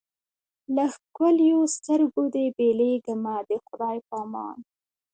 له ښکلیو سترګو دي بېلېږمه د خدای په امان